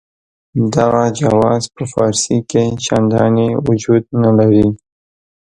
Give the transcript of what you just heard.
دغه جواز په فارسي کې چنداني وجود نه لري.